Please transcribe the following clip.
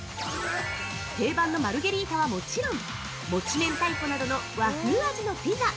定番のマルゲリータはもちろんもち明太子などの和風味のピザ。